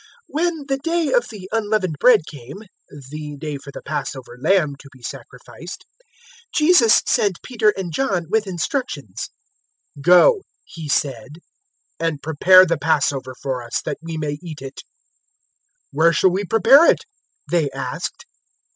022:007 When the day of the Unleavened Bread came the day for the Passover lamb to be sacrificed 022:008 Jesus sent Peter and John with instructions. "Go," He said, "and prepare the Passover for us, that we may eat it." 022:009 "Where shall we prepare it?" they asked.